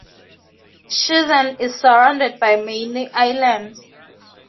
Shenzhen is surrounded by many islands.